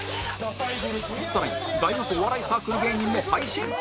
更に大学お笑いサークル芸人も配信